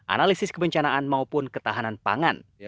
analisis kebencanaan maupun ketahanan pangan